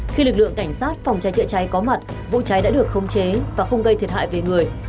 khi lực lượng cảnh sát phòng cháy chữa cháy có mặt vụ cháy đã được khống chế và không gây thiệt hại về người